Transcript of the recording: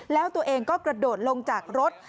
แล้วตัวเองก็กระโดดลงจากรถ